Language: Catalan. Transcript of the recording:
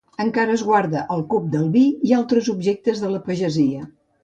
Encara es guarda el cup del vi i altres objectes de la pagesia.